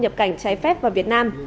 nhập cảnh trái phép vào việt nam